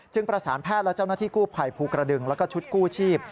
ประสานแพทย์และเจ้าหน้าที่กู้ภัยภูกระดึงแล้วก็ชุดกู้ชีพ